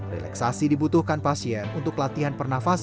relaksasi dibutuhkan pasien untuk latihan pernafasan